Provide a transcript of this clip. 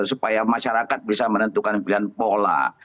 supaya masyarakat bisa menentukan pilihan pola